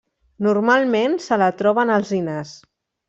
Normalment se la troba en alzinars.